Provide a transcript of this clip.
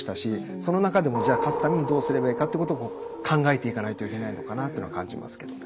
その中でも勝つためにどうすればいいかってことを考えていかないといけないのかなっていうのは感じますけどね。